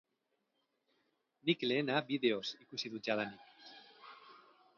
Nik lehena bideoz ikusi dut jadanik.